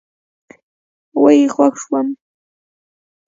وئ خوږ شوم